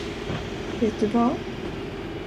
Vet du vad?